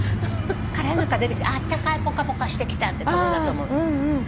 枯れ葉ん中から出てきて「あったかいポカポカしてきた」って飛ぶんだと思う。